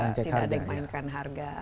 tidak dimainkan harga